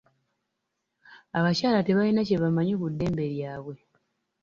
Abakyala tebalina kye bamanyi ku ddembe lyabwe.